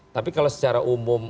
tapi kalau secara umum